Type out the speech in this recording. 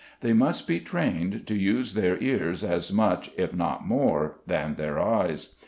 They must be trained to use their ears as much, if not more than their eyes.